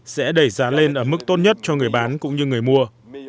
sẽ đẩy giá lên ở mức tốt nhất cho người bán cũng như người mua